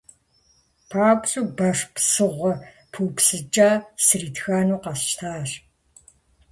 ПапщӀэу баш псыгъуэ пыупсыкӀа сритхэну къэсщтащ.